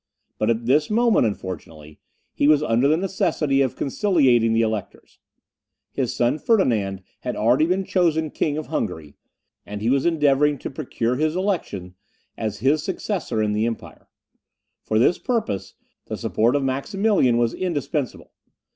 But at this moment, unfortunately, he was under the necessity of conciliating the Electors. His son Ferdinand had already been chosen King of Hungary, and he was endeavouring to procure his election as his successor in the empire. For this purpose, the support of Maximilian was indispensable.